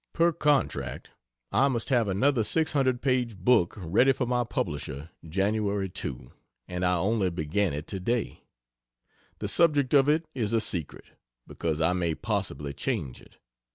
Per contract I must have another 600 page book ready for my publisher Jan. 2, and I only began it today. The subject of it is a secret, because I may possibly change it.